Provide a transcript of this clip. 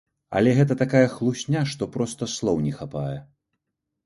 Але гэта такая хлусня, што проста слоў не хапае.